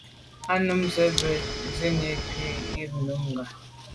Á nǔm rə̂ jû zə̄ à' cûp bí gə́ zî cû vút gí bú Nùngà.